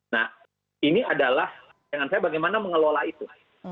nah ini adalah bagaimana saya mengelola itu